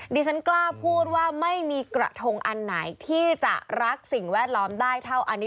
ดิฉันกล้าพูดว่าไม่มีกระทงอันไหนที่จะรักสิ่งแวดล้อมได้เท่าอันนี้